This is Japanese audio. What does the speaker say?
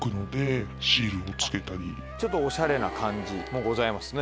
ちょっとおしゃれな感じもございますね。